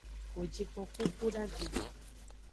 Wo ji koku kudagbe.